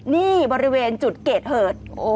นี่บริเวณจุดเกตเหิด